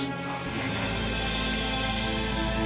terima kasih sekali long